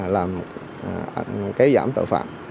là kế giảm tội phạm